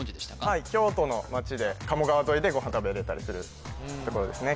はい京都の街で鴨川沿いでご飯食べられたりするところですね